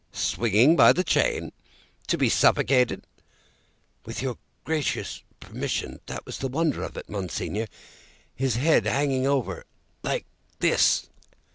"Swinging by the chain? To be suffocated?" "With your gracious permission, that was the wonder of it, Monseigneur. His head hanging over like this!"